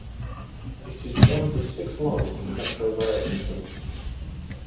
It is one of six lines in the Metro Rail system.